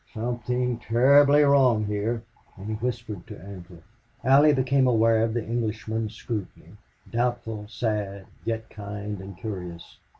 Something terribly wrong here." And he whispered to Ancliffe. Allie became aware of the Englishman's scrutiny, doubtful, sad, yet kind and curious.